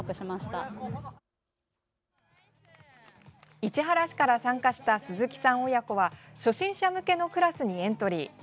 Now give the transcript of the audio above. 市原市から参加した鈴木さん親子は初心者向けのクラスにエントリー。